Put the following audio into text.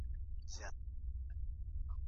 مصنوعي ذکاوت د ټیکنالوجۍ برخه ده.